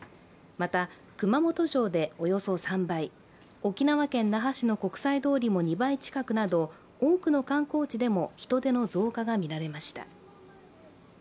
また、熊本城でおよそ３倍、沖縄県那覇市の国際通りも２倍近くなど多くの観光地でも人出の増加が見られました。